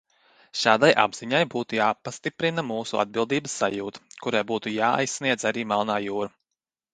Šādai apziņai būtu jāpastiprina mūsu atbildības sajūta, kurai būtu jāaizsniedz arī Melnā jūra.